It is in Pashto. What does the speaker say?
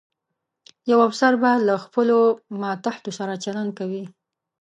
یو افسر به له خپلو ماتحتو سره چلند کوي.